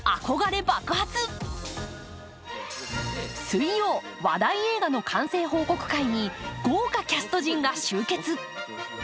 水曜、話題映画の完成報告会に豪華キャスト陣が集結。